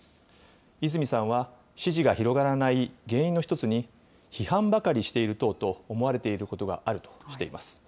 泉さんは、支持が広がらない原因の１つに、批判ばかりしている党と思われていることがあるとしています。